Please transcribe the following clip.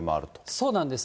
そうなんです。